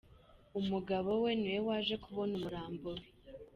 Umugabo we ni we waje kubona umurambo we.